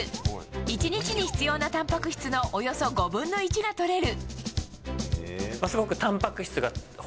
１日に必要なたんぱく質のおよそ５分の１がとれる。